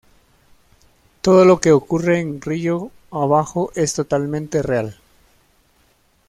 Todo lo que ocurre en Río abajo es totalmente real.